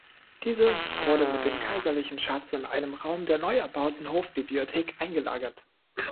Diese wurde mit dem kaiserlichen Schatz in einem Raum der neuerbauten Hofbibliothek eingelagert.